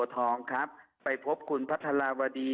วัวทองครับไปพบคุณพระธาราวดี